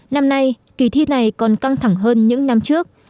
năm nay kỳ thi này còn căng thẳng hơn những năm trước